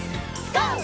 ＧＯ！